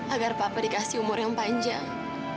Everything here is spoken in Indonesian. agar papa dikasih umur yang panjang